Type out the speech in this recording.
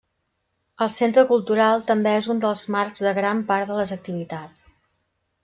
El centre cultural també és un dels marcs de gran part de les activitats.